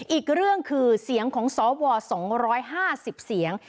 อีกเรื่องคือเสียงของสว๒๕๐เสียง